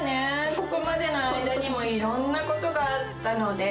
ここまでの間にも、いろんなことがあったので。